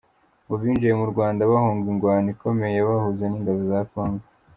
Ngo binjiye mu Rwanda bahunga ingwano ikomeye yabahuza n'ingabo za Congo.